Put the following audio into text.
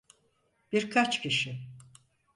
Birkaç kişi.